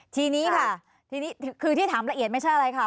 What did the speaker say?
ทีนี้ค่ะทีนี้คือที่ถามละเอียดไม่ใช่อะไรค่ะ